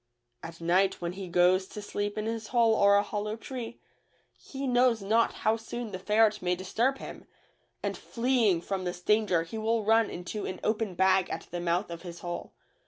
At night when he goes to sleep in his hole or a hollow tree, he knows not how soon the ferret may disturb him, and fleeing from this danger he will run into an open bag at the mouth of his hole.